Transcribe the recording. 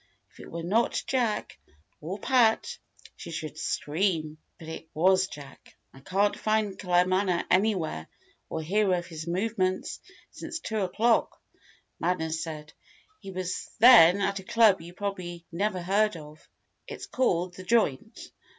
If it were not Jack or Pat she should scream. But it was Jack. "I can't find Claremanagh anywhere, or hear of his movements since two o'clock," Manners said. "He was then at a club you probably never heard of. It's called 'The Joint'.